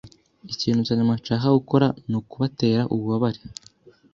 Ikintu cya nyuma nshaka gukora nukubatera ububabare.